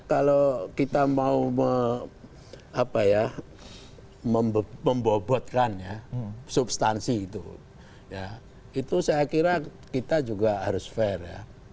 kalau kita mau membobotkan ya substansi itu itu saya kira kita juga harus fair ya